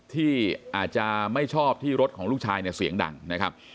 ที่อาจจะไม่ชอบที่รถของลูกชายเนี่ยเสียงดังนะครับ